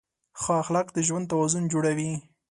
ښه اخلاق د ژوند توازن جوړوي.